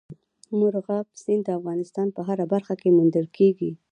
مورغاب سیند د افغانستان په هره برخه کې موندل کېږي.